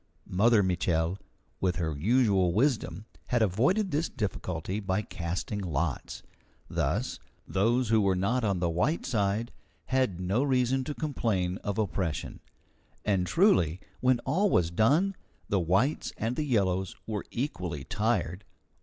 Mother Mitchel, with her usual wisdom, had avoided this difficulty by casting lots. Thus, those who were not on the white side had no reason to complain of oppression. And truly, when all was done, the whites and the yellows were equally tired.